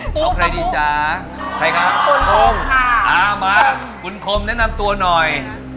เอาใครดีจ้าใครครับคุณคมค่ะอ่ามาคุณคมแนะนำตัวหน่อย